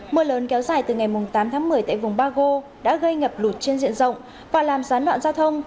mưa lớn kéo dài từ ngày tám tháng một mươi tại vùng bago đã gây ngập lụt trên diện rộng và làm gián đoạn giao thông